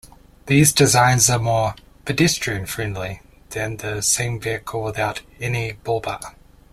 These designs are more "pedestrian friendly" than the same vehicle without any bullbar.